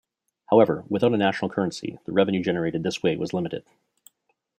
However, without a national currency, the revenue generated this way was limited.